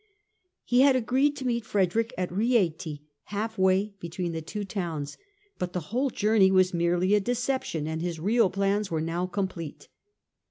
He had agreed to meet Frederick at Rieti, half way between the two towns : but the whole journey was merely a deception, and his real plans were now complete.